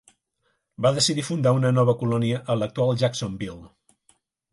Va decidir fundar una nova colònia a l'actual Jacksonville.